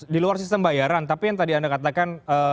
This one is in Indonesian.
di luar sistem bayaran tapi yang tadi anda katakan